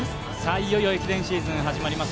いよいよ駅伝シーズン始まります。